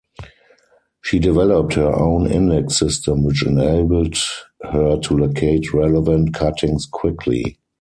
She developed her own index system which enabled her to locate relevant cuttings quickly.